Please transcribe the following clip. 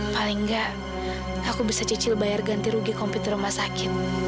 paling nggak aku bisa cicil bayar ganti rugi komputer rumah sakit